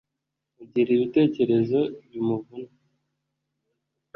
ugira ibitekerezo bimuvuna